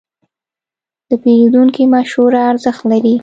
د پیرودونکي مشوره ارزښت لري.